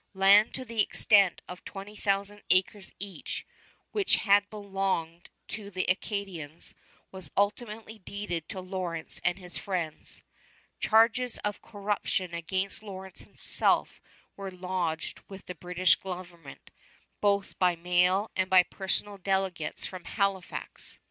Land to the extent of twenty thousand acres each, which had belonged to the Acadians, was ultimately deeded to Lawrence and his friends. Charges of corruption against Lawrence himself were lodged with the British government both by mail and by personal delegates from Halifax.